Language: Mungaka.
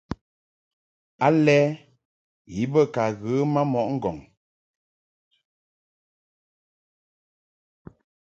Alɛ i be ka ghə ma mɔʼ ŋgɔŋ.